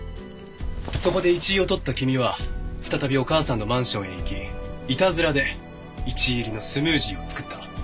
そこでイチイを採った君は再びお母さんのマンションへ行きイタズラでイチイ入りのスムージーを作った。